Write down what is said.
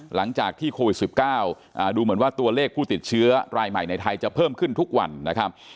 หลังจากที่โควิด๑๙ดูเหมือนว่าตัวเลขผู้ติดเชื้อรายใหม่ในไทยจะเพิ่มขึ้นทุกวันนะครับ